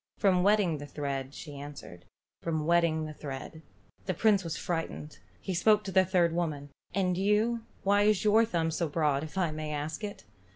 "From wetting the thread," she answered. "From wetting the thread." The Prince was frightened. He spoke to the third old woman. "And you, why is your thumb so broad, if I may ask it?"